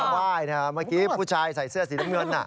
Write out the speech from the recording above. ไหว้เมื่อกี้ผู้ชายใส่เสื้อสีน้ำเงิน